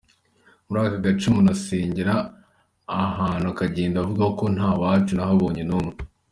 Muri aka gace umuntu asengera ahantu akagenda avuga ngo nta wacu nahabonye n’umwe”.